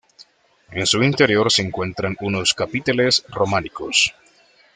En su interior se encuentran unos capiteles románicos.